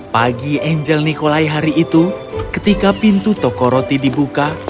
pagi angel nikolai hari itu ketika pintu tokoroti dibuka